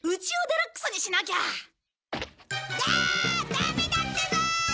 ダメだってばー！